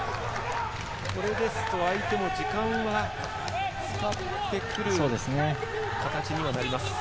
これですと相手も時間を使ってくる形にはなります。